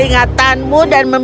ingatanmu dan memilihmu